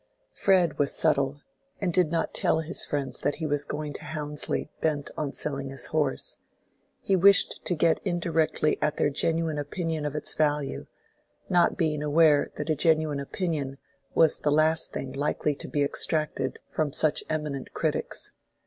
Fred was subtle, and did not tell his friends that he was going to Houndsley bent on selling his horse: he wished to get indirectly at their genuine opinion of its value, not being aware that a genuine opinion was the last thing likely to be extracted from such eminent critics.